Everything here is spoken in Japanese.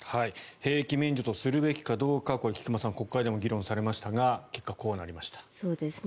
兵役免除とするべきかどうかこれ、菊間さん国会でも議論されましたが結果こうなりました。